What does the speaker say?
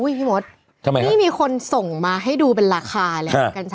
อุ้ยพี่หมดนี่มีคนส่งมาให้ดูเป็นราคาเลย